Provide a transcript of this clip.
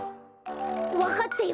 わかったよ！